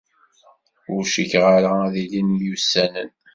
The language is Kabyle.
Ur cikkeɣ ara ad ilin myussanen.